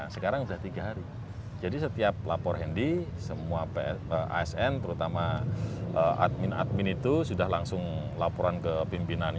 sekarang sudah tiga hari jadi setiap lapor handy semua asn terutama admin admin itu sudah langsung laporan ke pimpinan